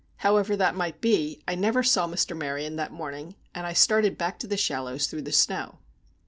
However that might be, I never saw Mr. Maryon that morning; and I started back to The Shallows through the snow.